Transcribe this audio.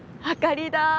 あかりだ。